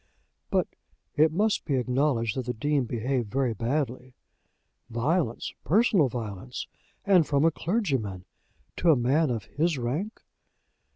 "But it must be acknowledged that the Dean behaved very badly. Violence! personal violence! And from a clergyman, to a man of his rank!"